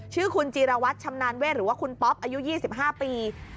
ชื่อคุณจีรวัตรชำนาญเวทหรือว่าคุณป๊อปอายุ๒๕ปี